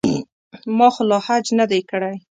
ما خو لا حج نه دی کړی.